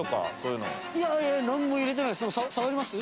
いやなんも入れてないです。